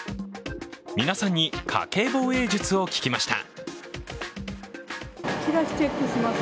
皆さんに家計防衛術を聞きました。